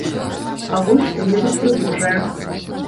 А вось што-небудзь прыгожае!